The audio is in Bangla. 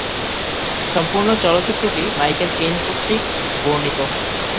সম্পূর্ণ চলচ্চিত্রটি মাইকেল কেইন কর্তৃক বর্ণিত।